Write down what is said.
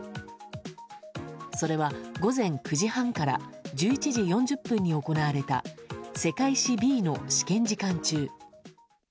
それは午前９時半から１１時４０分に行われた世界史Ｂの試験時間中。